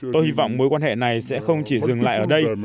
tôi hy vọng mối quan hệ này sẽ không chỉ dừng lại ở đây